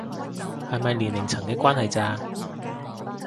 係咪年齡層嘅關係咋